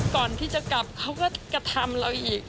ก่อนที่จะกลับเขาก็กระทำเราอีก